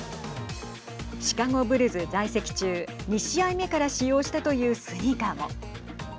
シカゴ・ブルズ在籍中２試合目から使用したというスニーカーも。